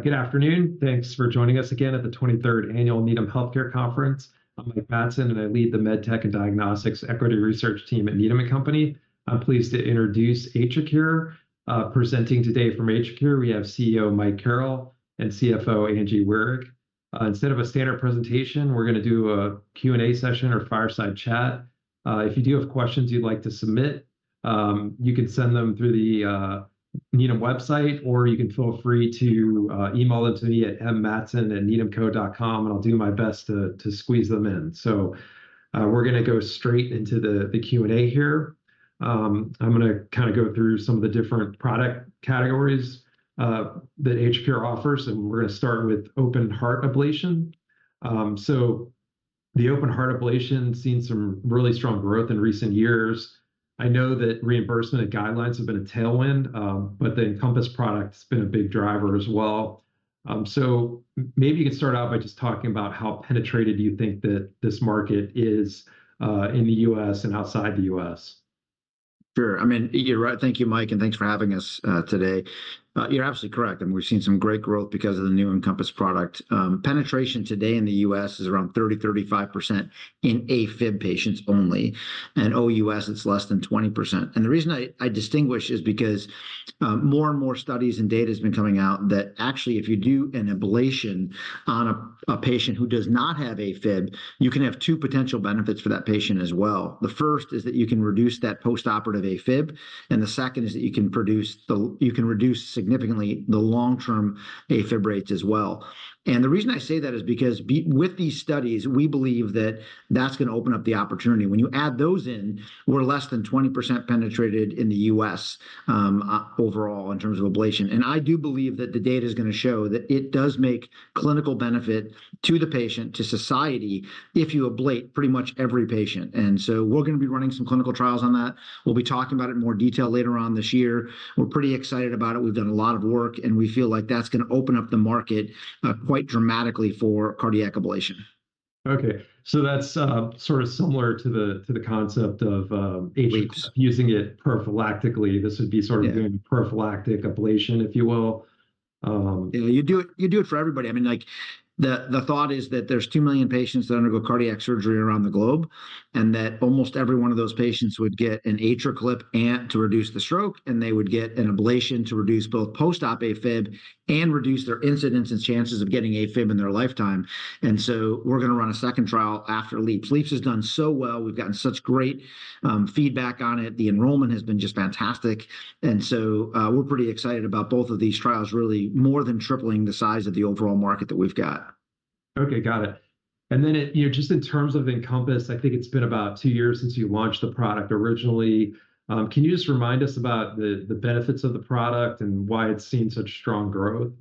Good afternoon. Thanks for joining us again at the 23rd annual Needham Healthcare Conference. I'm Mike Matson, and I lead the MedTech and Diagnostics Equity Research Team at Needham & Company. I'm pleased to introduce AtriCure. Presenting today from AtriCure, we have CEO Mike Carrel and CFO Angela Wirick. Instead of a standard presentation, we're gonna do a Q&A session or fireside chat. If you do have questions you'd like to submit, you can send them through the Needham website, or you can feel free to email them to me at mmatson@needhamco.com, and I'll do my best to squeeze them in. So we're gonna go straight into the Q&A here. I'm gonna kinda go through some of the different product categories that AtriCure offers, and we're gonna start with open heart ablation. So the open heart ablation's seen some really strong growth in recent years. I know that reimbursement and guidelines have been a tailwind, but the EnCompass product's been a big driver as well. So maybe you could start out by just talking about how penetrated do you think that this market is in the U.S. and outside the U.S.? Sure. I mean, you're right. Thank you, Mike, and thanks for having us today. You're absolutely correct. I mean, we've seen some great growth because of the new EnCompass product. Penetration today in the U.S. is around 30%-35% in Afib patients only. In OUS, it's less than 20%. The reason I distinguish is because more and more studies and data's been coming out that actually, if you do an ablation on a patient who does not have Afib, you can have two potential benefits for that patient as well. The first is that you can reduce that postoperative Afib, and the second is that you can reduce significantly the long-term Afib rates as well. The reason I say that is because with these studies, we believe that that's gonna open up the opportunity. When you add those in, we're less than 20% penetrated in the U.S. overall in terms of ablation. And I do believe that the data's gonna show that it does make clinical benefit to the patient, to society, if you ablate pretty much every patient. And so we're gonna be running some clinical trials on that. We'll be talking about it in more detail later on this year. We're pretty excited about it. We've done a lot of work, and we feel like that's gonna open up the market quite dramatically for cardiac ablation. Okay. That's sort of similar to the concept of using it prophylactically. This would be sort of doing a prophylactic ablation, if you will. Yeah. You do it you do it for everybody. I mean, like, the thought is that there's 2 million patients that undergo cardiac surgery around the globe, and that almost every one of those patients would get an atrial clip to reduce the stroke, and they would get an ablation to reduce both postop Afib and reduce their incidence and chances of getting Afib in their lifetime. And so we're gonna run a second trial after LeAAPS. LeAAPS has done so well. We've gotten such great feedback on it. The enrollment has been just fantastic. And so we're pretty excited about both of these trials, really more than tripling the size of the overall market that we've got. Okay. Got it. And then it, you know, just in terms of EnCompass, I think it's been about two years since you launched the product originally. Can you just remind us about the benefits of the product and why it's seen such strong growth?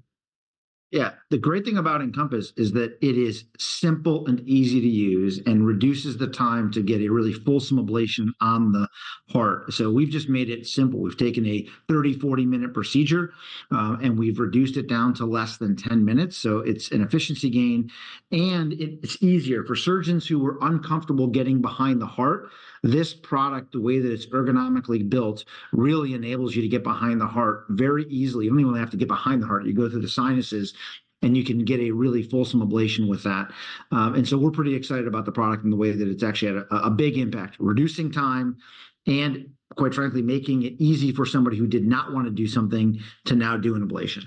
Yeah. The great thing about EnCompass is that it is simple and easy to use and reduces the time to get a really fulsome ablation on the heart. So we've just made it simple. We've taken a 30 to 40-minute procedure, and we've reduced it down to less than 10 minutes. So it's an efficiency gain, and it's easier for surgeons who were uncomfortable getting behind the heart. This product, the way that it's ergonomically built, really enables you to get behind the heart very easily. You don't even really have to get behind the heart. You go through the sinuses, and you can get a really fulsome ablation with that. And so we're pretty excited about the product and the way that it's actually had a big impact, reducing time and, quite frankly, making it easy for somebody who did not wanna do something to now do an ablation.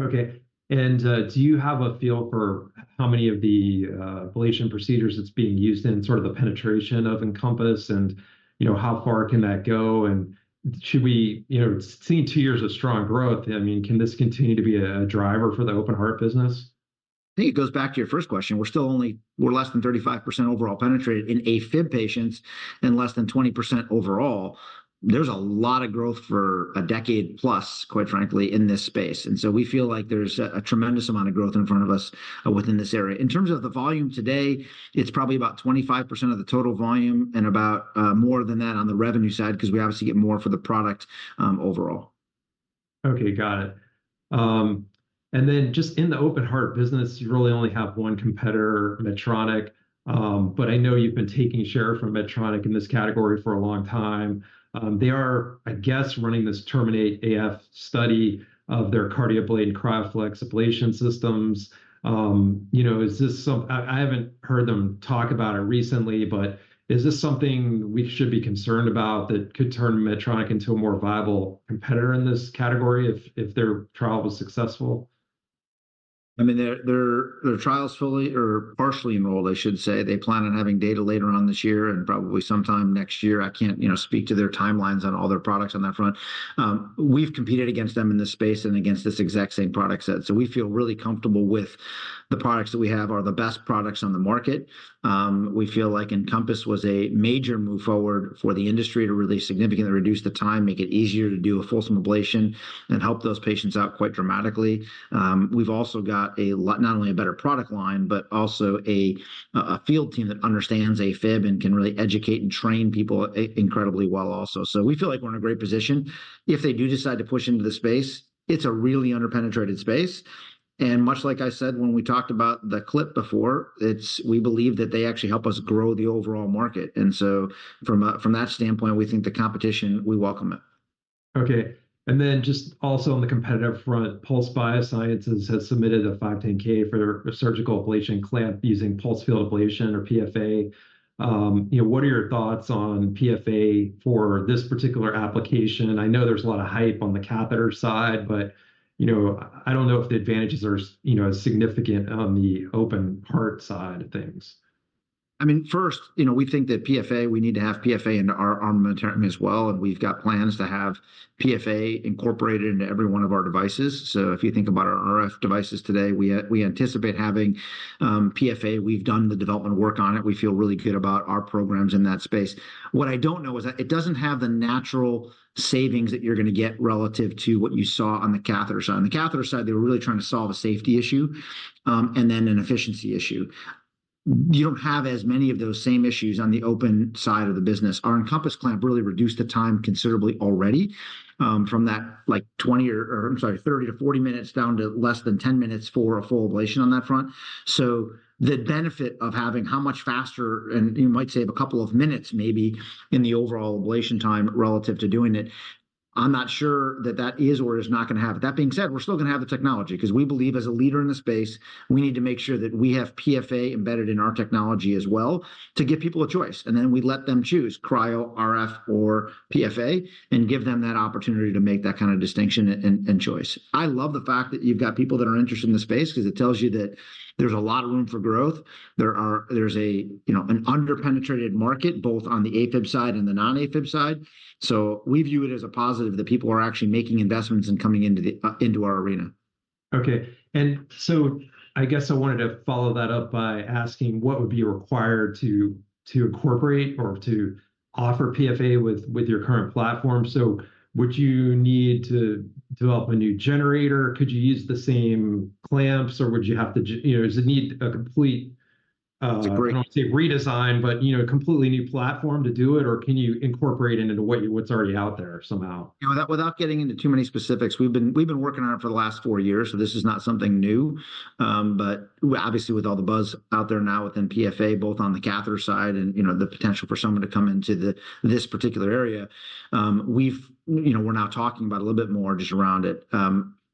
Okay. And do you have a feel for how many of the ablation procedures it's being used in, sort of the penetration of EnCompass, and, you know, how far can that go? And should we, you know, it's seen two years of strong growth. I mean, can this continue to be a driver for the open heart business? I think it goes back to your first question. We're still only less than 35% overall penetrated in Afib patients and less than 20% overall. There's a lot of growth for a decade plus, quite frankly, in this space. And so we feel like there's a tremendous amount of growth in front of us within this area. In terms of the volume today, it's probably about 25% of the total volume and about more than that on the revenue side because we obviously get more for the product overall. Okay. Got it. And then just in the open heart business, you really only have one competitor, Medtronic. But I know you've been taking share from Medtronic in this category for a long time. They are, I guess, running this TERMINATE AF study of their Cardioblate and CryoFlex Ablation Systems. You know, is this something I haven't heard them talk about it recently, but is this something we should be concerned about that could turn Medtronic into a more viable competitor in this category if their trial was successful? I mean, their trials fully or partially enrolled, I should say. They plan on having data later on this year and probably sometime next year. I can't, you know, speak to their timelines on all their products on that front. We've competed against them in this space and against this exact same product set. So we feel really comfortable with the products that we have are the best products on the market. We feel like EnCompass was a major move forward for the industry to really significantly reduce the time, make it easier to do a fulsome ablation, and help those patients out quite dramatically. We've also got a not only a better product line, but also a field team that understands Afib and can really educate and train people incredibly well also. So we feel like we're in a great position. If they do decide to push into the space, it's a really underpenetrated space. Much like I said when we talked about the clip before, it's, we believe, that they actually help us grow the overall market. So from that standpoint, we think the competition, we welcome it. Okay. And then just also on the competitive front, Pulse Biosciences has submitted a 510(k) for their surgical ablation clamp using pulsed field ablation or PFA. You know, what are your thoughts on PFA for this particular application? I know there's a lot of hype on the catheter side, but, you know, I don't know if the advantages are, you know, as significant on the open heart side of things. I mean, first, you know, we think that PFA we need to have PFA in our armamentarium as well, and we've got plans to have PFA incorporated into every one of our devices. So if you think about our RF devices today, we anticipate having PFA. We've done the development work on it. We feel really good about our programs in that space. What I don't know is that it doesn't have the natural savings that you're gonna get relative to what you saw on the catheter side. On the catheter side, they were really trying to solve a safety issue and then an efficiency issue. You don't have as many of those same issues on the open side of the business. Our EnCompass Clamp really reduced the time considerably already from that, like, 20 or, I'm sorry, 30 to 40 minutes down to less than 10 minutes for a full ablation on that front. So the benefit of having how much faster and you might save a couple of minutes maybe in the overall ablation time relative to doing it. I'm not sure that that is or is not gonna happen. That being said, we're still gonna have the technology because we believe as a leader in the space, we need to make sure that we have PFA embedded in our technology as well to give people a choice. And then we let them choose cryo, RF, or PFA and give them that opportunity to make that kind of distinction and choice. I love the fact that you've got people that are interested in the space because it tells you that there's a lot of room for growth. There's a, you know, an underpenetrated market both on the Afib side and the non-Afib side. So we view it as a positive that people are actually making investments and coming into our arena. Okay. And so I guess I wanted to follow that up by asking what would be required to incorporate or to offer PFA with your current platform. So would you need to develop a new generator? Could you use the same clamps, or would you have to, you know, does it need a complete? It's a great. I don't wanna say redesign, but, you know, a completely new platform to do it, or can you incorporate it into what's already out there somehow? You know, without getting into too many specifics, we've been working on it for the last four years, so this is not something new. But obviously, with all the buzz out there now within PFA, both on the catheter side and, you know, the potential for someone to come into this particular area, we've, you know, we're now talking about a little bit more just around it.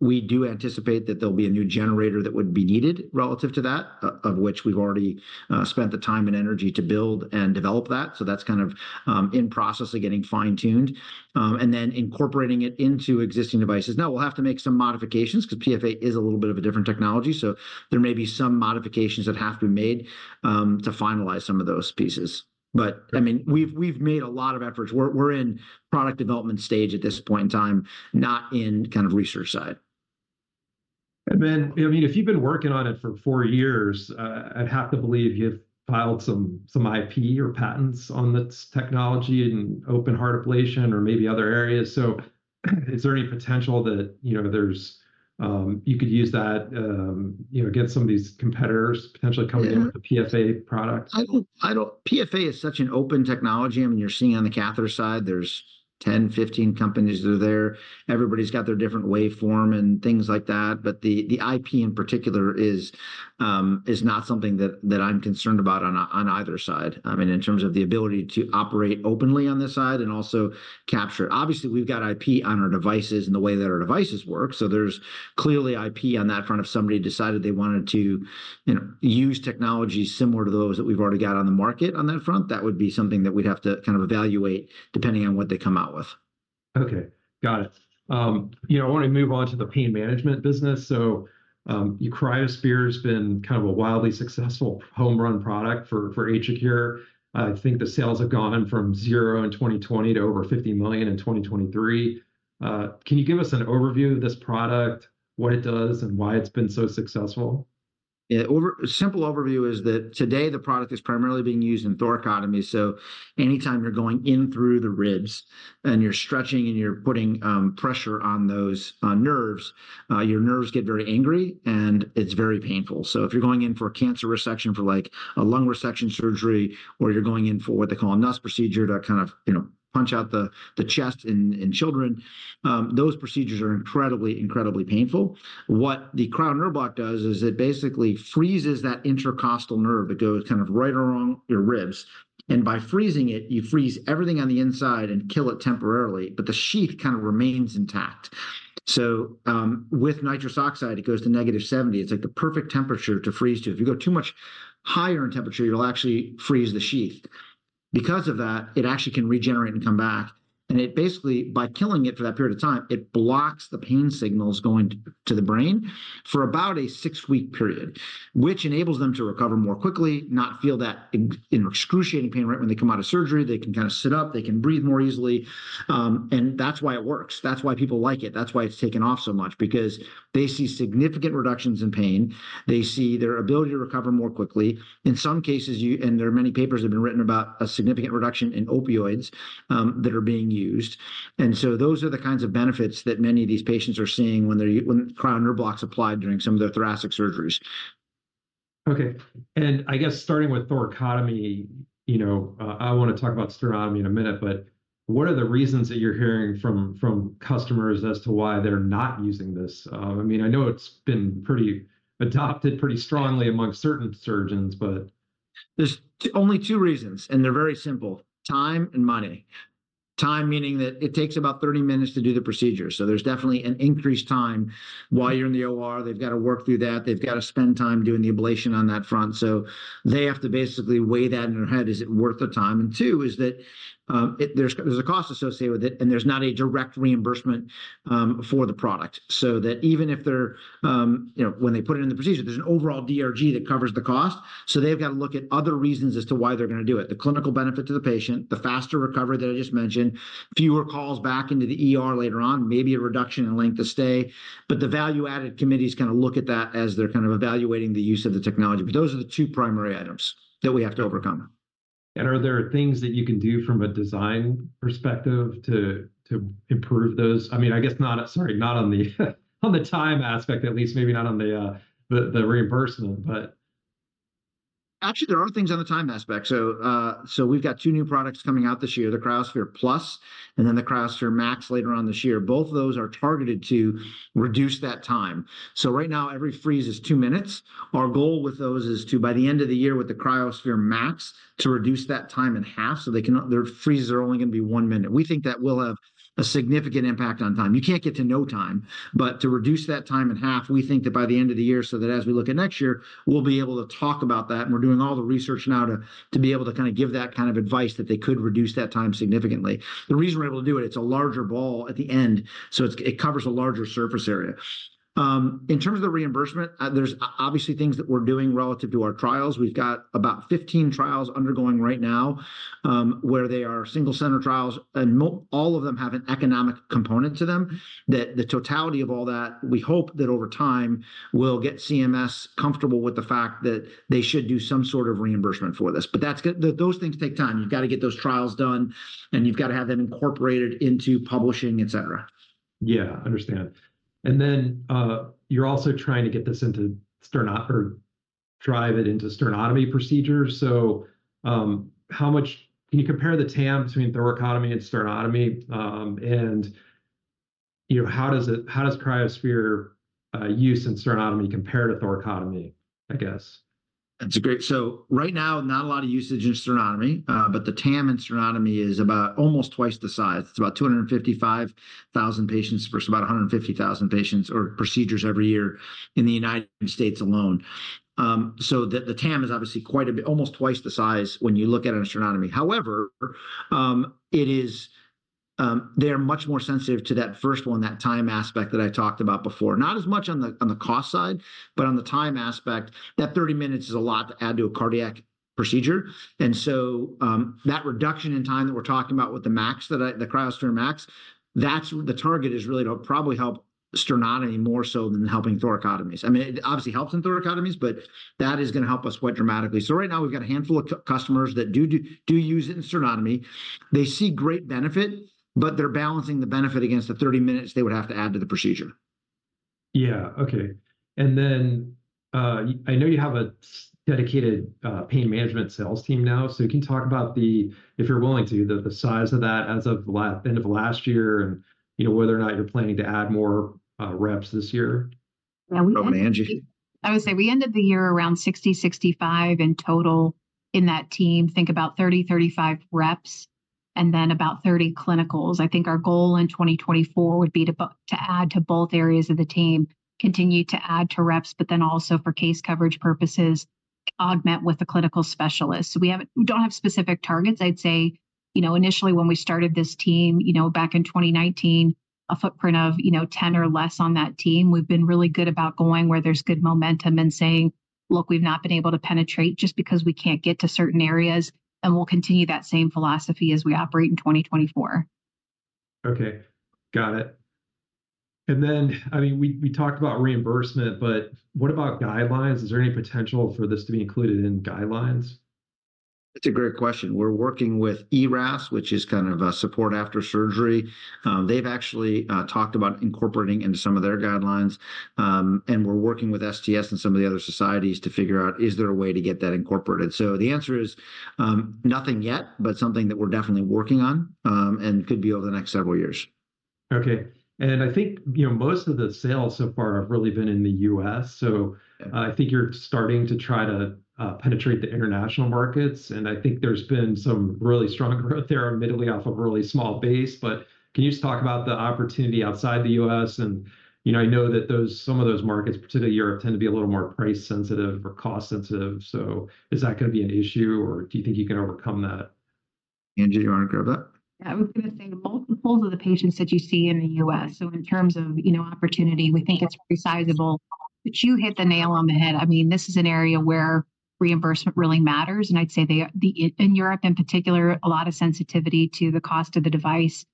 We do anticipate that there'll be a new generator that would be needed relative to that, of which we've already spent the time and energy to build and develop that. So that's kind of in process of getting fine-tuned and then incorporating it into existing devices. Now, we'll have to make some modifications because PFA is a little bit of a different technology. So there may be some modifications that have to be made to finalize some of those pieces. I mean, we've made a lot of efforts. We're in product development stage at this point in time, not in kind of research side. And then, I mean, if you've been working on it for four years, I'd have to believe you've filed some IP or patents on this technology in open heart ablation or maybe other areas. So is there any potential that, you know, there's you could use that, you know, against some of these competitors potentially coming in with a PFA product? I don't PFA is such an open technology. I mean, you're seeing on the catheter side, there's 10, 15 companies that are there. Everybody's got their different waveform and things like that. But the IP in particular is not something that I'm concerned about on either side. I mean, in terms of the ability to operate openly on this side and also capture it. Obviously, we've got IP on our devices and the way that our devices work. So there's clearly IP on that front if somebody decided they wanted to, you know, use technologies similar to those that we've already got on the market on that front. That would be something that we'd have to kind of evaluate depending on what they come out with. Okay. Got it. You know, I wanna move on to the pain management business. So your cryoSPHERE has been kind of a wildly successful home run product for AtriCure. I think the sales have gone from $0 in 2020 to over $50 million in 2023. Can you give us an overview of this product, what it does, and why it's been so successful? Yeah. A simple overview is that today, the product is primarily being used in thoracotomy. So anytime you're going in through the ribs and you're stretching and you're putting pressure on those nerves, your nerves get very angry, and it's very painful. So if you're going in for cancer resection for, like, a lung resection surgery or you're going in for what they call a Nuss procedure to kind of, you know, punch out the chest in children, those procedures are incredibly, incredibly painful. What the cryo nerve block does is it basically freezes that intercostal nerve that goes kind of right along your ribs. And by freezing it, you freeze everything on the inside and kill it temporarily, but the sheath kind of remains intact. So with nitrous oxide, it goes to -70. It's like the perfect temperature to freeze to. If you go too much higher in temperature, you'll actually freeze the sheath. Because of that, it actually can regenerate and come back. And it basically, by killing it for that period of time, it blocks the pain signals going to the brain for about a six-week period, which enables them to recover more quickly, not feel that excruciating pain right when they come out of surgery. They can kind of sit up. They can breathe more easily. And that's why it works. That's why people like it. That's why it's taken off so much because they see significant reductions in pain. They see their ability to recover more quickly. In some cases, you and there are many papers that have been written about a significant reduction in opioids that are being used. So those are the kinds of benefits that many of these patients are seeing when Cryo Nerve Blocks are applied during some of their thoracic surgeries. Okay. I guess starting with thoracotomy, you know, I wanna talk about sternotomy in a minute, but what are the reasons that you're hearing from customers as to why they're not using this? I mean, I know it's been pretty adopted pretty strongly among certain surgeons, but. There's only two reasons, and they're very simple: time and money. Time, meaning that it takes about 30 minutes to do the procedure. So there's definitely an increased time while you're in the OR. They've gotta work through that. They've gotta spend time doing the ablation on that front. So they have to basically weigh that in their head. Is it worth the time? And two is that there's a cost associated with it, and there's not a direct reimbursement for the product so that even if they're, you know, when they put it in the procedure, there's an overall DRG that covers the cost. So they've gotta look at other reasons as to why they're gonna do it: the clinical benefit to the patient, the faster recovery that I just mentioned, fewer calls back into the later on, maybe a reduction in length of stay. The value-added committees kind of look at that as they're kind of evaluating the use of the technology. But those are the two primary items that we have to overcome. Are there things that you can do from a design perspective to improve those? I mean, I guess not sorry, not on the time aspect, at least, maybe not on the reimbursement, but. Actually, there are things on the time aspect. So we've got two new products coming out this year, the cryoSPHERE Plus and then the cryoSPHERE MAX later on this year. Both of those are targeted to reduce that time. So right now, every freeze is two minutes. Our goal with those is to, by the end of the year with the cryoSPHERE MAX, to reduce that time in half so that their freezes are only gonna be one minute. We think that will have a significant impact on time. You can't get to no time. But to reduce that time in half, we think that by the end of the year so that as we look at next year, we'll be able to talk about that. And we're doing all the research now to be able to kind of give that kind of advice that they could reduce that time significantly. The reason we're able to do it, it's a larger ball at the end. So it covers a larger surface area. In terms of the reimbursement, there's obviously things that we're doing relative to our trials. We've got about 15 trials undergoing right now where they are single center trials, and all of them have an economic component to them. The totality of all that, we hope that over time we'll get CMS comfortable with the fact that they should do some sort of reimbursement for this. But that's gonna those things take time. You've gotta get those trials done, and you've gotta have them incorporated into publishing, etc. Yeah. Understand. And then you're also trying to get this into sternotomy or drive it into sternotomy procedures. So how much can you compare the TAM between thoracotomy and sternotomy? And, you know, how does cryoSPHERE use in sternotomy compare to thoracotomy, I guess? That's great, so right now, not a lot of usage in sternotomy. But the TAM in sternotomy is about almost twice the size. It's about 255,000 patients versus about 150,000 patients or procedures every year in the United States alone. So the TAM is obviously quite a bit almost twice the size when you look at a sternotomy. However, it is they are much more sensitive to that first one, that time aspect that I talked about before, not as much on the cost side, but on the time aspect. That 30 minutes is a lot to add to a cardiac procedure. And so that reduction in time that we're talking about with the MAX, that is the cryoSPHERE MAX, that's the target is really to probably help sternotomy more so than helping thoracotomies. I mean, it obviously helps in thoracotomies, but that is gonna help us quite dramatically. So right now, we've got a handful of customers that do use it in sternotomy. They see great benefit, but they're balancing the benefit against the 30 minutes they would have to add to the procedure. Yeah. Okay. And then I know you have a dedicated pain management sales team now. So you can talk about the if you're willing to, the size of that as of the last end of last year and, you know, whether or not you're planning to add more reps this year. Yeah— For Angie. I would say we ended the year around 60, 65 in total in that team. Think about 30, 35 reps, and then about 30 clinicals. I think our goal in 2024 would be to add to both areas of the team, continue to add to reps, but then also for case coverage purposes, augment with a clinical specialist. So we don't have specific targets. I'd say, you know, initially when we started this team, you know, back in 2019, a footprint of, you know, 10 or less on that team. We've been really good about going where there's good momentum and saying, "Look, we've not been able to penetrate just because we can't get to certain areas." We'll continue that same philosophy as we operate in 2024. Okay. Got it. And then, I mean, we talked about reimbursement, but what about guidelines? Is there any potential for this to be included in guidelines? That's a great question. We're working with ERAS, which is kind of support after surgery. They've actually talked about incorporating into some of their guidelines. We're working with STS and some of the other societies to figure out, is there a way to get that incorporated? The answer is nothing yet, but something that we're definitely working on and could be over the next several years. Okay. And I think, you know, most of the sales so far have really been in the U.S. So I think you're starting to try to penetrate the international markets. And I think there's been some really strong growth there admittedly off of a really small base. But can you just talk about the opportunity outside the U.S.? And, you know, I know that some of those markets, particularly Europe, tend to be a little more price sensitive or cost sensitive. So is that gonna be an issue, or do you think you can overcome that? Angie, do you wanna grab that? Yeah. I was gonna say multiples of the patients that you see in the U.S. So in terms of, you know, opportunity, we think it's very sizable. But you hit the nail on the head. I mean, this is an area where reimbursement really matters. And I'd say that the in Europe, in particular, a lot of sensitivity to the cost of the device.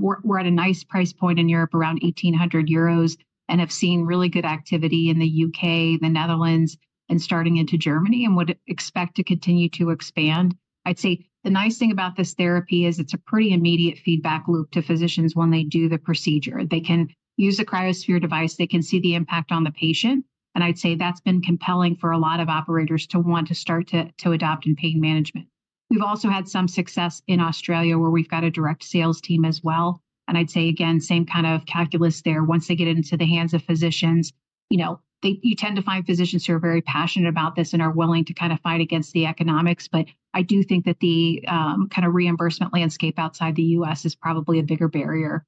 We're at a nice price point in Europe around 1,800 euros and have seen really good activity in the U.K., the Netherlands, and starting into Germany and would expect to continue to expand. I'd say the nice thing about this therapy is it's a pretty immediate feedback loop to physicians when they do the procedure. They can use the cryoSPHERE device. They can see the impact on the patient. I'd say that's been compelling for a lot of operators to want to start to adopt in pain management. We've also had some success in Australia where we've got a direct sales team as well. I'd say, again, same kind of calculus there. Once they get into the hands of physicians, you know, you tend to find physicians who are very passionate about this and are willing to kind of fight against the economics. I do think that the kind of reimbursement landscape outside the U.S. is probably a bigger barrier.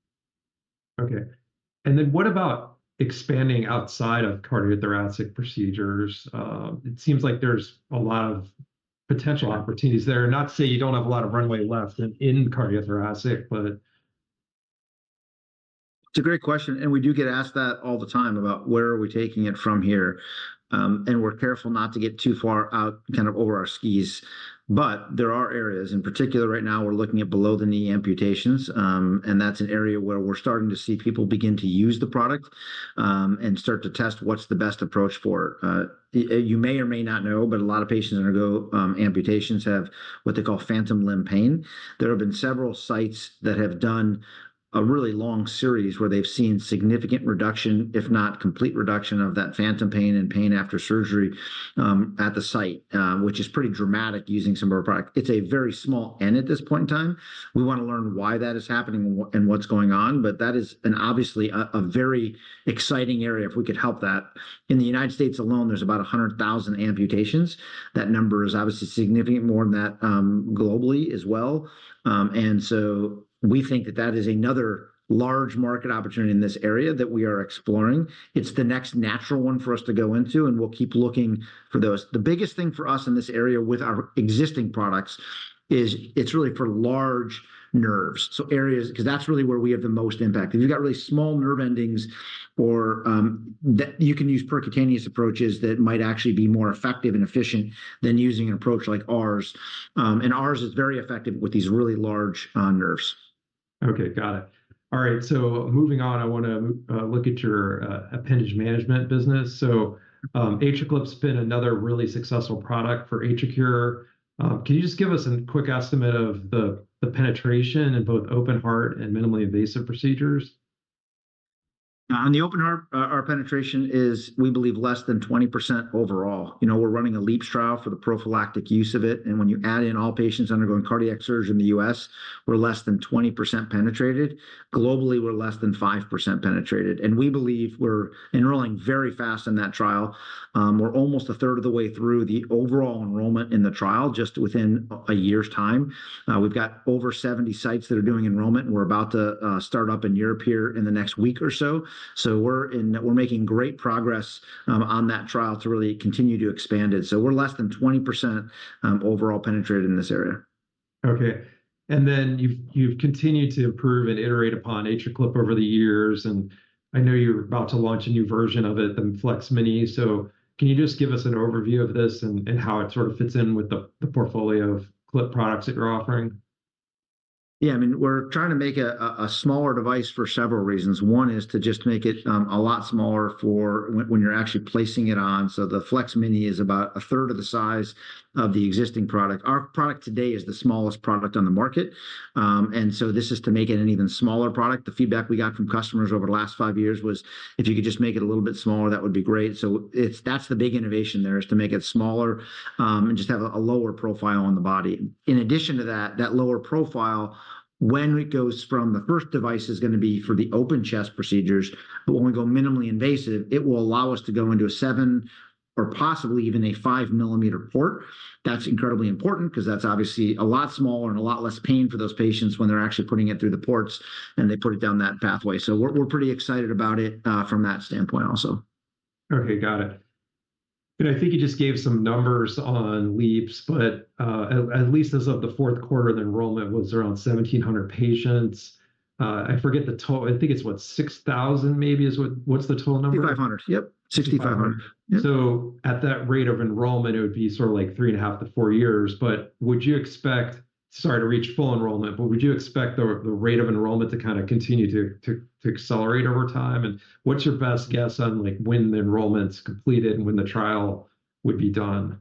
Okay. And then what about expanding outside of cardiothoracic procedures? It seems like there's a lot of potential opportunities there. Not to say you don't have a lot of runway left in cardiothoracic, but. It's a great question. And we do get asked that all the time about where are we taking it from here? And we're careful not to get too far out kind of over our skis. But there are areas. In particular, right now, we're looking at below-the-knee amputations. And that's an area where we're starting to see people begin to use the product and start to test what's the best approach for it. You may or may not know, but a lot of patients undergo amputations have what they call phantom limb pain. There have been several sites that have done a really long series where they've seen significant reduction, if not complete reduction, of that phantom pain and pain after surgery at the site, which is pretty dramatic using some of our product. It's a very small end at this point in time. We wanna learn why that is happening and what's going on. But that is an obviously a very exciting area if we could help that. In the United States alone, there's about 100,000 amputations. That number is obviously significant more than that globally as well. And so we think that that is another large market opportunity in this area that we are exploring. It's the next natural one for us to go into, and we'll keep looking for those. The biggest thing for us in this area with our existing products is it's really for large nerves. So areas because that's really where we have the most impact. If you've got really small nerve endings or that you can use percutaneous approaches that might actually be more effective and efficient than using an approach like ours. And ours is very effective with these really large nerves. Okay. Got it. All right. So moving on, I wanna look at your appendage management business. So AtriCure AtriClip's been another really successful product for AtriCure. Can you just give us a quick estimate of the penetration in both open-heart and minimally invasive procedures? On the open heart, our penetration is, we believe, less than 20% overall. You know, we're running a LeAAPS trial for the prophylactic use of it. When you add in all patients undergoing cardiac surgery in the U.S., we're less than 20% penetrated. Globally, we're less than 5% penetrated. We believe we're enrolling very fast in that trial. We're almost a third of the way through the overall enrollment in the trial just within a year's time. We've got over 70 sites that are doing enrollment. We're about to start up in Europe here in the next week or so. So, we're making great progress on that trial to really continue to expand it. We're less than 20% overall penetrated in this area. Okay. And then you've continued to improve and iterate upon AtriClip over the years. And I know you're about to launch a new version of it, the FLEX-Mini. So can you just give us an overview of this and how it sort of fits in with the portfolio of Clip products that you're offering? Yeah. I mean, we're trying to make a smaller device for several reasons. One is to just make it a lot smaller for when you're actually placing it on. The FLEX-Mini is about a third of the size of the existing product. Our product today is the smallest product on the market. This is to make it an even smaller product. The feedback we got from customers over the last five years was, if you could just make it a little bit smaller, that would be great. That's the big innovation there is to make it smaller and just have a lower profile on the body. In addition to that, that lower profile, when it goes from the first device is gonna be for the open chest procedures. But when we go minimally invasive, it will allow us to go into a 7 mm or possibly even a 5 mm port. That's incredibly important because that's obviously a lot smaller and a lot less pain for those patients when they're actually putting it through the ports and they put it down that pathway. So we're pretty excited about it from that standpoint also. Okay. Got it. And I think you just gave some numbers on LeAAPS, but at least as of the fourth quarter, the enrollment was around 1,700 patients. I forget the total. I think it's, what, 6,000 maybe? What's the total number? 6,500. Yep. 6,500. Yep. So at that rate of enrollment, it would be sort of like three and a half to four years. But would you expect sorry, to reach full enrollment. But would you expect the rate of enrollment to kind of continue to accelerate over time? And what's your best guess on, like, when the enrollment's completed and when the trial would be done?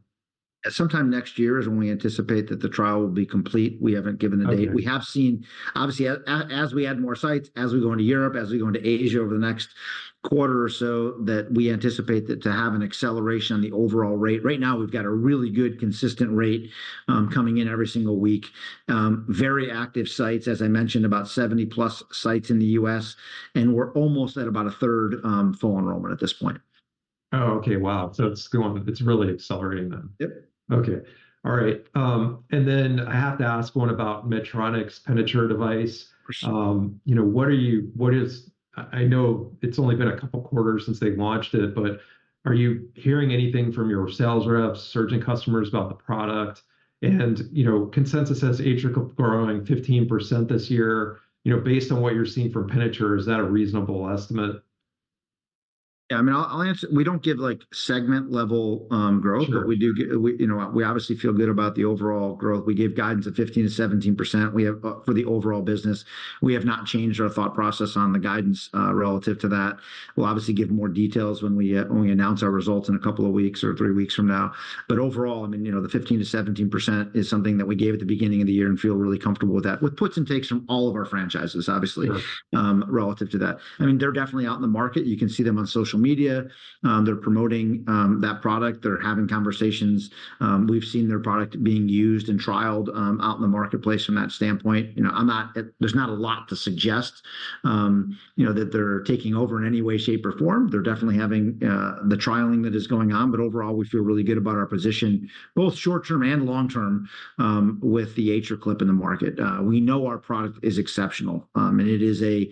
Sometime next year is when we anticipate that the trial will be complete. We haven't given a date. We have seen, obviously, as we add more sites, as we go into Europe, as we go into Asia over the next quarter or so that we anticipate that to have an acceleration on the overall rate. Right now, we've got a really good consistent rate coming in every single week. Very active sites, as I mentioned, about 70+ sites in the U.S. We're almost at about a third full enrollment at this point. Oh, okay. Wow. So it's really accelerating then. Yep. Okay. All right. Then I have to ask one about Medtronic's Penditure device. You know, what are you what is. I know it's only been a couple quarters since they launched it. But are you hearing anything from your sales reps, surgeon customers about the product? And, you know, consensus says AtriClip growing 15% this year. You know, based on what you're seeing from Penditures, is that a reasonable estimate? Yeah. I mean, I'll answer. We don't give, like, segment level growth. But we do give we, you know, we obviously feel good about the overall growth. We gave guidance of 15%-17%. We have for the overall business. We have not changed our thought process on the guidance relative to that. We'll obviously give more details when we when we announce our results in a couple of weeks or three weeks from now. But overall, I mean, you know, the 15%-17% is something that we gave at the beginning of the year and feel really comfortable with that, with puts and takes from all of our franchises, obviously, relative to that. I mean, they're definitely out in the market. You can see them on social media. They're promoting that product. They're having conversations. We've seen their product being used and trialed out in the marketplace from that standpoint. You know, I'm not. There's not a lot to suggest, you know, that they're taking over in any way, shape, or form. They're definitely having the trialing that is going on. But overall, we feel really good about our position, both short term and long term, with the AtriClip in the market. We know our product is exceptional. And it is a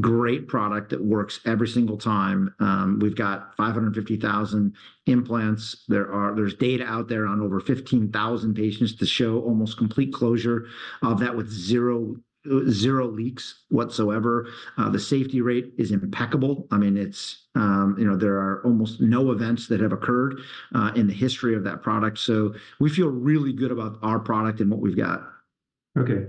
great product that works every single time. We've got 550,000 implants. There is data out there on over 15,000 patients to show almost complete closure of that with 0 leaks whatsoever. The safety rate is impeccable. I mean, it's you know, there are almost no events that have occurred in the history of that product. So we feel really good about our product and what we've got. Okay.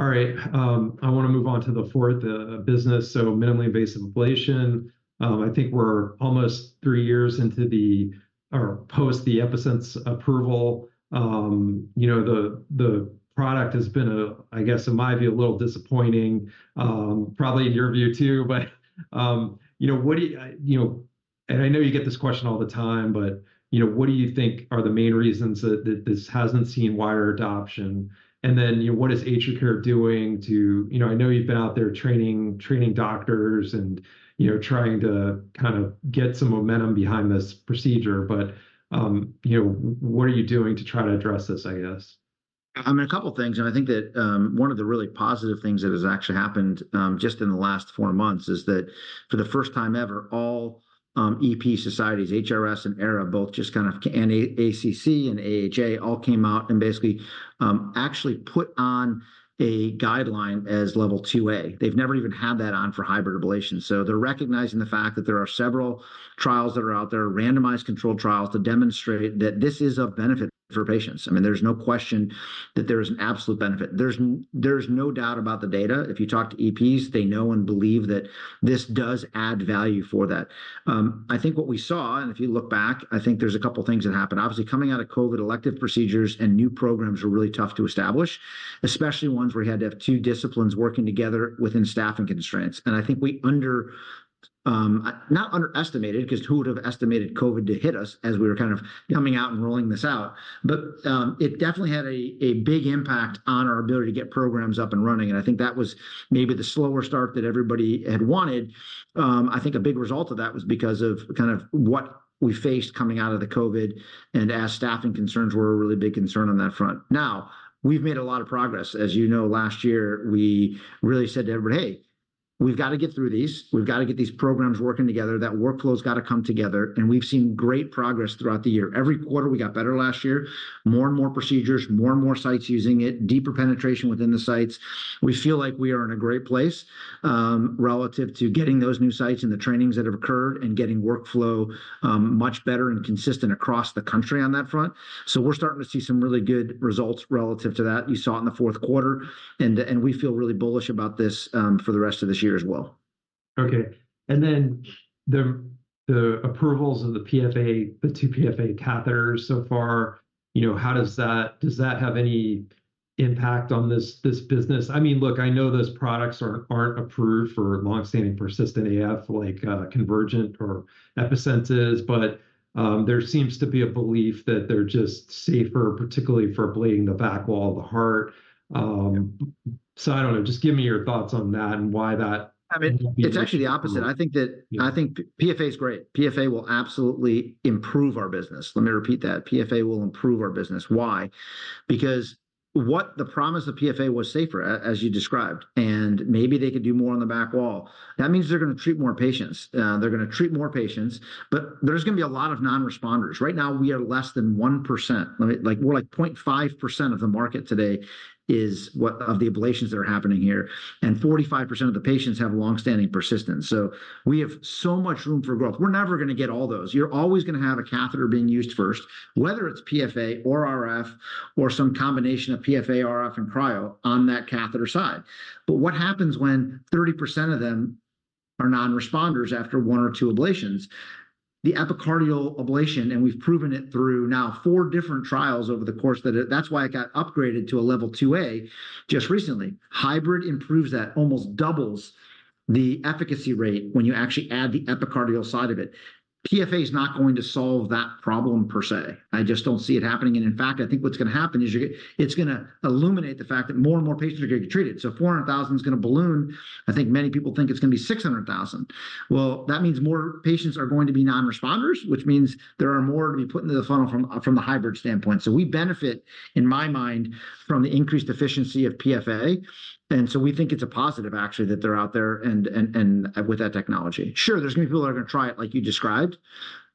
All right. I wanna move on to the fourth, the business. So minimally invasive ablation. I think we're almost three years into the, or post, the EPi-Sense approval. You know, the product has been a, I guess, in my view, a little disappointing. Probably in your view, too. But, you know, what do you, you know, and I know you get this question all the time. But, you know, what do you think are the main reasons that this hasn't seen wider adoption? And then, you know, what is AtriCure doing to, you know, I know you've been out there training doctors and, you know, trying to kind of get some momentum behind this procedure. But, you know, what are you doing to try to address this, I guess? I mean, a couple things. I think that one of the really positive things that has actually happened just in the last four months is that for the first time ever, all EP societies, HRS and EHRA, both just kind of and ACC and AHA, all came out and basically actually put on a guideline as Level 2A. They've never even had that on for hybrid ablation. So they're recognizing the fact that there are several trials that are out there, randomized controlled trials to demonstrate that this is of benefit for patients. I mean, there's no question that there is an absolute benefit. There's no doubt about the data. If you talk to EPs, they know and believe that this does add value for that. I think what we saw, and if you look back, I think there's a couple things that happened. Obviously, coming out of COVID, elective procedures and new programs were really tough to establish, especially ones where we had to have two disciplines working together within staffing constraints. And I think we did not underestimate because who would have estimated COVID to hit us as we were kind of coming out and rolling this out? But it definitely had a big impact on our ability to get programs up and running. And I think that was maybe the slower start that everybody had wanted. I think a big result of that was because of kind of what we faced coming out of the COVID and as staffing concerns were a really big concern on that front. Now, we've made a lot of progress. As you know, last year, we really said to everybody, hey, we've gotta get through these. We've gotta get these programs working together. That workflow's gotta come together. And we've seen great progress throughout the year. Every quarter, we got better last year, more and more procedures, more and more sites using it, deeper penetration within the sites. We feel like we are in a great place relative to getting those new sites and the trainings that have occurred and getting workflow much better and consistent across the country on that front. So we're starting to see some really good results relative to that. You saw it in the fourth quarter. And we feel really bullish about this for the rest of this year as well. Okay. And then the approvals of the PFA, the two PFA catheters so far, you know, how does that have any impact on this business? I mean, look, I know those products aren't approved for longstanding, persistent AF, like Converge or EPi-Sense is. But there seems to be a belief that they're just safer, particularly for ablating the back wall of the heart. So I don't know. Just give me your thoughts on that and why that. I mean, it's actually the opposite. I think that I think PFA is great. PFA will absolutely improve our business. Let me repeat that. PFA will improve our business. Why? Because what the promise of PFA was safer, as you described, and maybe they could do more on the back wall. That means they're gonna treat more patients. They're gonna treat more patients. But there's gonna be a lot of nonresponders. Right now, we are less than 1%. Let me, like, we're like 0.5% of the market today is what of the ablations that are happening here. And 45% of the patients have longstanding persistence. So we have so much room for growth. We're never gonna get all those. You're always gonna have a catheter being used first, whether it's PFA or RF or some combination of PFA, RF, and cryo on that catheter side. But what happens when 30% of them are nonresponders after one or two ablations? The epicardial ablation, and we've proven it through now four different trials over the course that it – that's why it got upgraded to a Level 2A just recently. Hybrid improves that, almost doubles the efficacy rate when you actually add the epicardial side of it. PFA is not going to solve that problem, per se. I just don't see it happening. And, in fact, I think what's gonna happen is you're gonna – it's gonna illuminate the fact that more and more patients are gonna get treated. So 400,000 is gonna balloon. I think many people think it's gonna be 600,000. Well, that means more patients are going to be nonresponders, which means there are more to be put into the funnel from the hybrid standpoint. So we benefit, in my mind, from the increased efficiency of PFA. And so we think it's a positive, actually, that they're out there and with that technology. Sure, there's gonna be people that are gonna try it like you described.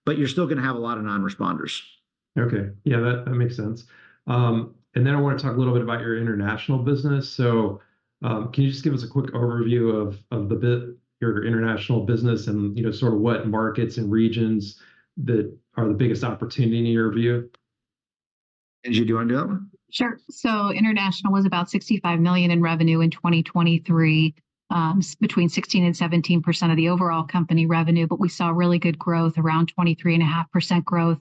But you're still gonna have a lot of nonresponders. Okay. Yeah. That makes sense. And then I wanna talk a little bit about your international business. So can you just give us a quick overview of your international business and, you know, sort of what markets and regions that are the biggest opportunity in your view? Angela, do you wanna do that one? Sure. So international was about $65 million in revenue in 2023, between 16%-17% of the overall company revenue. But we saw really good growth, around 23.5% growth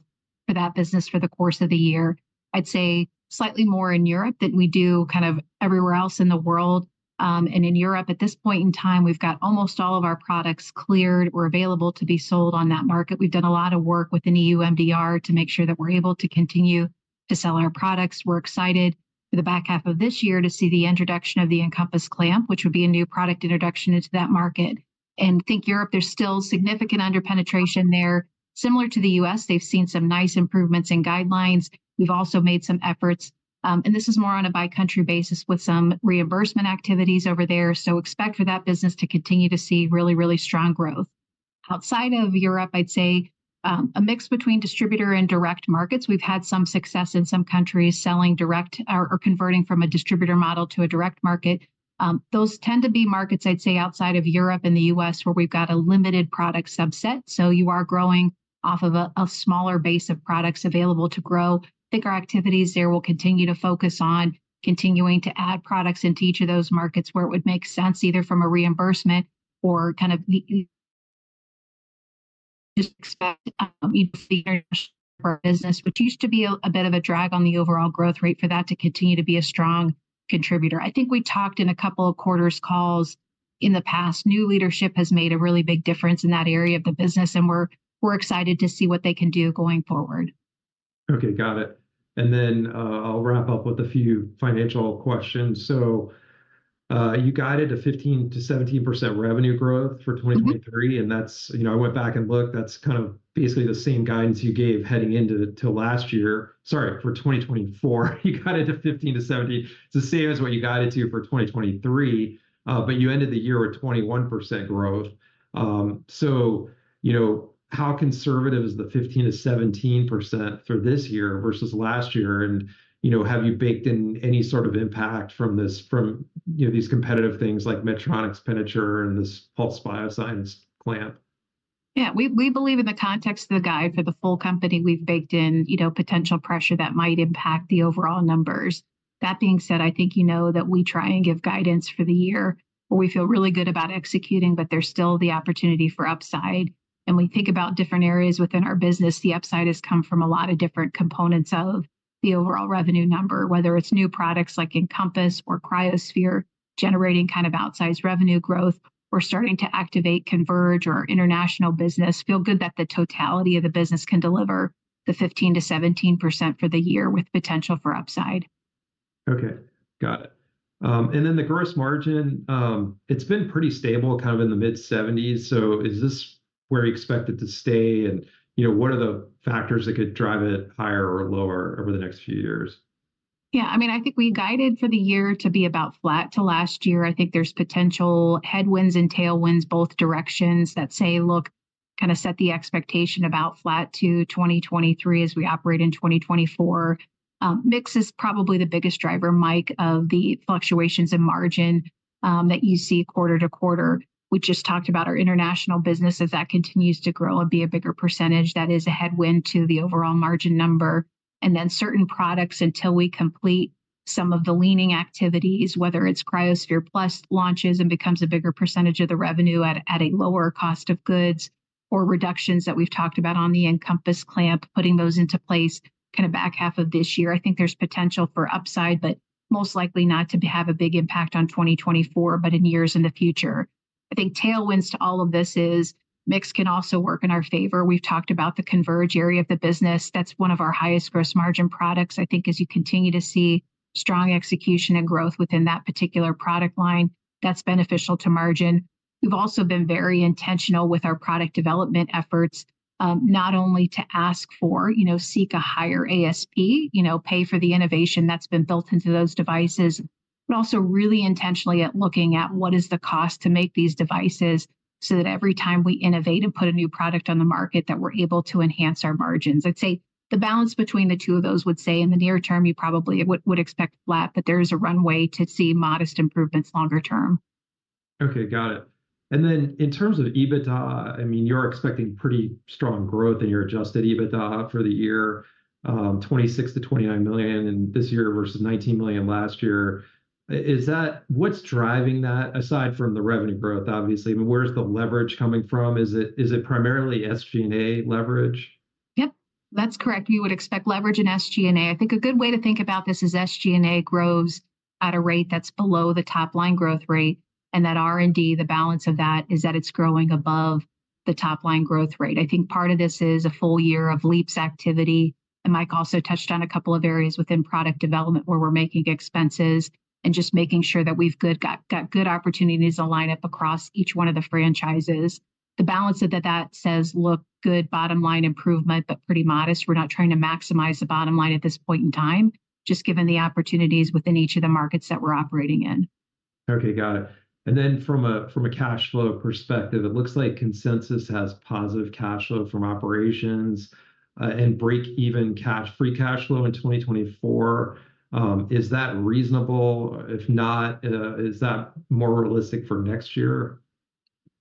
for that business for the course of the year. I'd say slightly more in Europe than we do kind of everywhere else in the world. And in Europe, at this point in time, we've got almost all of our products cleared or available to be sold on that market. We've done a lot of work within EU MDR to make sure that we're able to continue to sell our products. We're excited for the back half of this year to see the introduction of the EnCompass clamp, which would be a new product introduction into that market. And think Europe, there's still significant underpenetration there. Similar to the U.S., they've seen some nice improvements in guidelines. We've also made some efforts. And this is more on a bi-country basis with some reimbursement activities over there. So expect for that business to continue to see really, really strong growth. Outside of Europe, I'd say a mix between distributor and direct markets. We've had some success in some countries selling direct or converting from a distributor model to a direct market. Those tend to be markets, I'd say, outside of Europe and the U.S. where we've got a limited product subset. So you are growing off of a smaller base of products available to grow. Think our activities there will continue to focus on continuing to add products into each of those markets where it would make sense, either from a reimbursement or kind of just expect the international business, which used to be a bit of a drag on the overall growth rate for that to continue to be a strong contributor. I think we talked in a couple of quarters calls in the past. New leadership has made a really big difference in that area of the business. We're excited to see what they can do going forward. Okay. Got it. And then I'll wrap up with a few financial questions. So you guided to 15%-17% revenue growth for 2023. And that's, you know, I went back and looked. That's kind of basically the same guidance you gave heading into last year. Sorry, for 2024. You got it to 15%-17%. It's the same as what you guided to for 2023. But you ended the year with 21% growth. So, you know, how conservative is the 15%-17% for this year versus last year? And, you know, have you baked in any sort of impact from this, from, you know, these competitive things like Medtronic's Penditure and this Pulse Biosciences clamp? Yeah. We believe in the context of the guide for the full company, we've baked in, you know, potential pressure that might impact the overall numbers. That being said, I think you know that we try and give guidance for the year where we feel really good about executing. But there's still the opportunity for upside. And we think about different areas within our business. The upside has come from a lot of different components of the overall revenue number, whether it's new products like EnCompass or cryoSPHERE generating kind of outsized revenue growth or starting to activate Converge or international business. Feel good that the totality of the business can deliver the 15%-17% for the year with potential for upside. Okay. Got it. And then the gross margin, it's been pretty stable, kind of in the mid-70s%. So is this where you expect it to stay? And, you know, what are the factors that could drive it higher or lower over the next few years? Yeah. I mean, I think we guided for the year to be about flat to last year. I think there's potential headwinds and tailwinds, both directions, that say, look, kind of set the expectation about flat to 2023 as we operate in 2024. Mix is probably the biggest driver, Mike, of the fluctuations in margin that you see quarter to quarter. We just talked about our international business. If that continues to grow and be a bigger percentage, that is a headwind to the overall margin number. And then certain products, until we complete some of the leaning activities, whether it's cryoSPHERE Plus launches and becomes a bigger percentage of the revenue at a lower cost of goods or reductions that we've talked about on the EnCompass clamp, putting those into place kind of back half of this year, I think there's potential for upside, but most likely not to have a big impact on 2024, but in years in the future. I think tailwinds to all of this is mix can also work in our favor. We've talked about the Converge area of the business. That's one of our highest gross margin products, I think, as you continue to see strong execution and growth within that particular product line. That's beneficial to margin. We've also been very intentional with our product development efforts, not only to ask for, you know, seek a higher ASP, you know, pay for the innovation that's been built into those devices, but also really intentionally at looking at what is the cost to make these devices so that every time we innovate and put a new product on the market, that we're able to enhance our margins. I'd say the balance between the two of those would say, in the near term, you probably would expect flat, but there is a runway to see modest improvements longer term. Okay. Got it. And then in terms of EBITDA, I mean, you're expecting pretty strong growth in your adjusted EBITDA for the year, $26 million-$29 million in this year versus $19 million last year. Is that what's driving that, aside from the revenue growth, obviously? I mean, where's the leverage coming from? Is it primarily SG&A leverage? Yep. That's correct. You would expect leverage in SG&A. I think a good way to think about this is SG&A grows at a rate that's below the top line growth rate. That R&D, the balance of that is that it's growing above the top line growth rate. I think part of this is a full year of LeAAPS activity. Mike also touched on a couple of areas within product development where we're making expenses and just making sure that we've got good opportunities to line up across each one of the franchises. The balance of that says, look, good bottom line improvement, but pretty modest. We're not trying to maximize the bottom line at this point in time, just given the opportunities within each of the markets that we're operating in. Okay. Got it. And then from a cash flow perspective, it looks like consensus has positive cash flow from operations and break even cash, free cash flow in 2024. Is that reasonable? If not, is that more realistic for next year?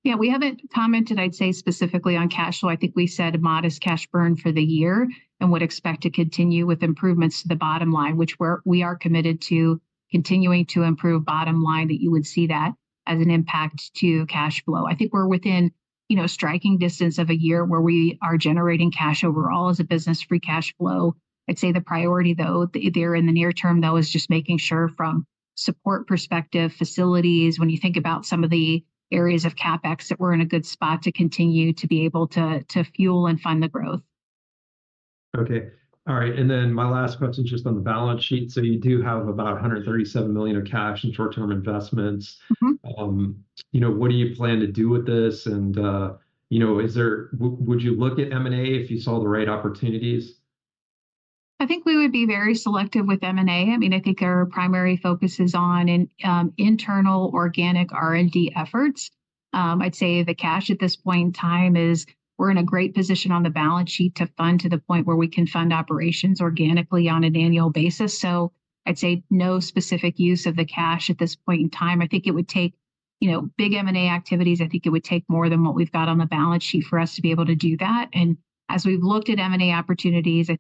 Yeah. We haven't commented, I'd say, specifically on cash flow. I think we said modest cash burn for the year and would expect to continue with improvements to the bottom line, which we are committed to continuing to improve bottom line, that you would see that as an impact to cash flow. I think we're within, you know, striking distance of a year where we are generating cash overall as a business, free cash flow. I'd say the priority, though, there in the near term, though, is just making sure from support perspective, facilities, when you think about some of the areas of CapEx that we're in a good spot to continue to be able to fuel and fund the growth. Okay. All right. And then my last question is just on the balance sheet. So you do have about $137 million of cash in short-term investments. You know, what do you plan to do with this? And, you know, is there would you look at M&A if you saw the right opportunities? I think we would be very selective with M&A. I mean, I think our primary focus is on internal organic R&D efforts. I'd say the cash at this point in time is we're in a great position on the balance sheet to fund to the point where we can fund operations organically on an annual basis. So I'd say no specific use of the cash at this point in time. I think it would take, you know, big M&A activities. I think it would take more than what we've got on the balance sheet for us to be able to do that. As we've looked at M&A opportunities, I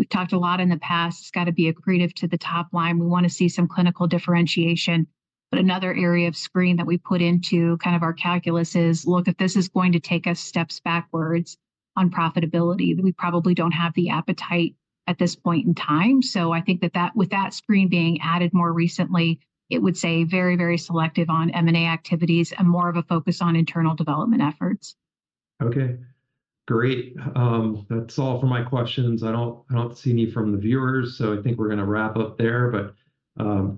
think we've talked a lot in the past. It's gotta be accretive to the top line. We wanna see some clinical differentiation. But another area of screen that we put into kind of our calculus is, look, if this is going to take us steps backwards on profitability, we probably don't have the appetite at this point in time. So I think that that with that screen being added more recently, it would say very, very selective on M&A activities and more of a focus on internal development efforts. Okay. Great. That's all for my questions. I don't see any from the viewers. So I think we're gonna wrap up there. But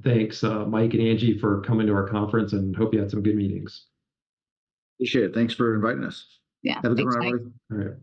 thanks, Mike and Angie, for coming to our conference. And hope you had some good meetings. Appreciate it. Thanks for inviting us. Yeah. Thanks. Have a good one, everybody. All right.